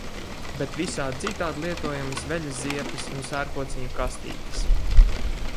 Bet visādi citādi lietojamas veļas ziepes un sērkociņu kastītes.